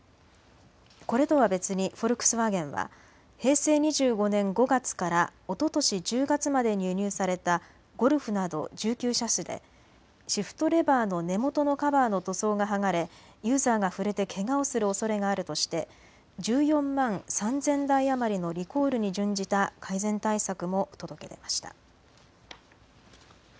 これとは別にフォルクスワーゲンは平成２５年５月からおととし１０月までに輸入されたゴルフなど１９車種でシフトレバーの根元のカバーの塗装が剥がれユーザーが触れてけがをするおそれがあるとして１４万３０００台余りのリコールの準じた改善対策も届け出ました。